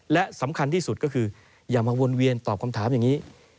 และสำคัญที่สุดก็คืออย่ามาวนเวียนตอบคำถามอย่างนี้